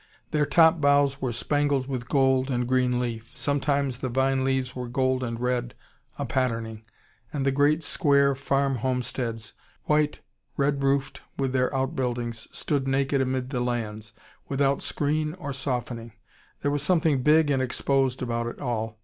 Their top boughs were spangled with gold and green leaf. Sometimes the vine leaves were gold and red, a patterning. And the great square farm homesteads, white, red roofed, with their out buildings, stood naked amid the lands, without screen or softening. There was something big and exposed about it all.